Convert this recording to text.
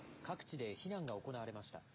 各地で避難が行われました。